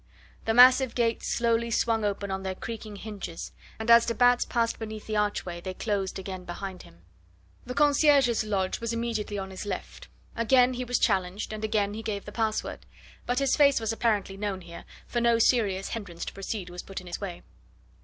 The massive gates slowly swung open on their creaking hinges, and as de Batz passed beneath the archway they closed again behind him. The concierge's lodge was immediately on his left. Again he was challenged, and again gave the pass word. But his face was apparently known here, for no serious hindrance to proceed was put in his way.